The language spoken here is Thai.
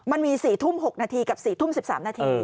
มันมี๔ทุ่ม๖นาทีกับ๔ทุ่ม๑๓นาที